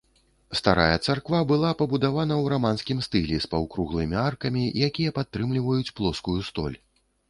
Старая царква была пабудавана ў раманскім стылі з паўкруглымі аркамі, якія падтрымліваюць плоскую столь.